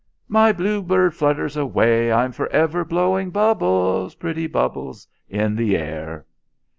"... My blue bird flutters away, I'm forever blowing bubbles.... Pretty bubbles in the air...."